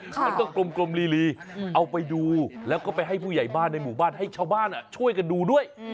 มันก็กลมลีเอาไปดูแล้วก็ไปให้ผู้ใหญ่บ้านในหมู่บ้านให้ชาวบ้านช่วยกันดูด้วย